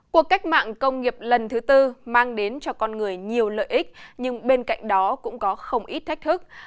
cuộc cách mạng công nghiệp lần thứ tư mang đến cho con người nhiều lợi ích nhưng bên cạnh đó cũng có không ít thách thức